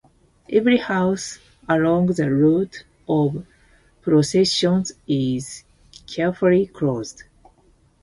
Every house along the route of the procession is carefully closed.